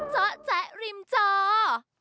เจาะแจกรีมเจาะ